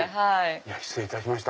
失礼いたしました